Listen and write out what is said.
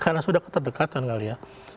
karena sudah keterdekatan kali ya